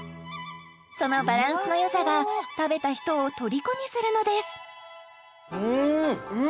そのバランスのよさが食べた人をとりこにするのですうーん！